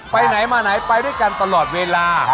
ไปไหนมาไหนไปด้วยกันตลอดเวลา